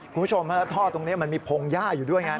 คุณผู้ชมฮะแล้วท่อตรงนี้มันมีพงหญ้าอยู่ด้วยไง